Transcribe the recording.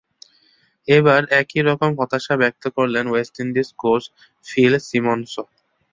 এবার একই রকম হতাশা ব্যক্ত করলেন ওয়েস্ট ইন্ডিজের কোচ ফিল সিমন্সও।